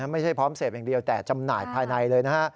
ไม่ใช่พร้อมเสพอย่างเดียวแต่จำหน่ายภายในเลยนะฮะ